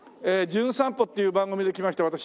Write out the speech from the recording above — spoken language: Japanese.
『じゅん散歩』っていう番組で来ました